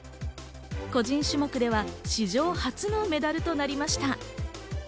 個人種目では史上初のメダルとなりました。